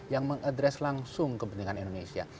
yang mengadres langsung kepentingan indonesia